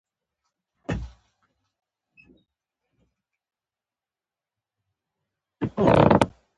انډیوال مې حبیب اخندزاده نومېده.